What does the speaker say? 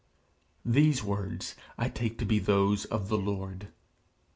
These words I take to be those of the Lord.